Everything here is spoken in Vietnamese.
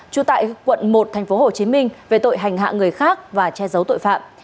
trú tại quận một tp hcm về tội hành hạ người khác và che giấu tội phạm